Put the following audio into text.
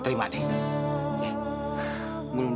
saya akan balikin secepatnya ji